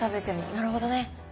なるほどね。